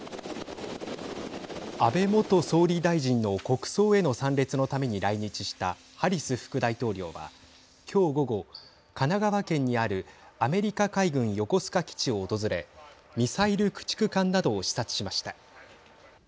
安倍元総理大臣の国葬への参列のために来日したハリス副大統領は今日午後神奈川県にあるアメリカ海軍横須賀基地を訪れミサイル駆逐艦などを視察しました。